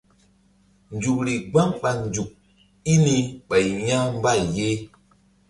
Nzukri gbam ɓa nzuk i ni ɓay ya̧ mbay ye.